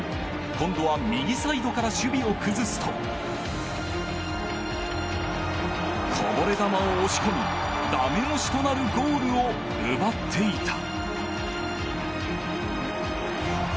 今度は右サイドから守備を崩すとこぼれ球を押し込みだめ押しとなるゴールを奪っていた。